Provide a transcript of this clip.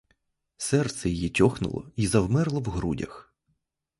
Серце її тьохнуло й завмерло в грудях.